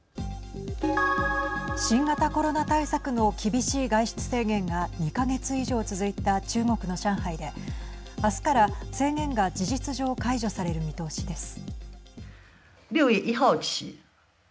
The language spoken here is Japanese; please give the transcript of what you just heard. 新型コロナ対策の厳しい外出制限が２か月以上続いた中国の上海であすから制限が事実上解除される見通しです。